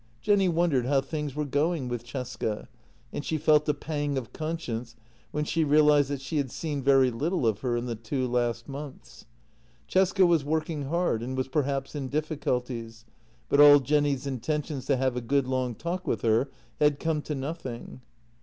Jenny wondered how things were going with Cesca, and she felt a pang of conscience when she realized that she had seen very little of her in the two last months. Cesca was working hard and was perhaps in difficulties, but all Jenny's intentions to have a good long talk with her had come to nothing.